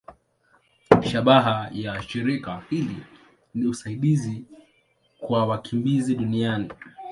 Shabaha ya shirika hili ni usaidizi kwa wakimbizi duniani.